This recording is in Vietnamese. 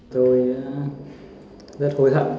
tôi rất hối hận